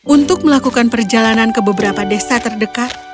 untuk melakukan perjalanan ke beberapa desa terdekat